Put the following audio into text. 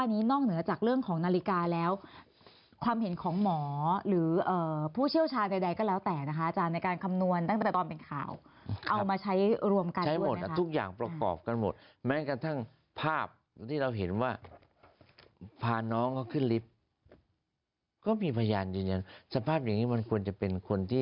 ๓โมง๒โมง๓โมง๔โมงไม่ได้จนกว่าจะ๕โมงเย็น